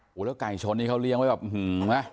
โอ้โหแล้วไก่ชนนี่เขาเลี้ยงไว้แบบหือไหม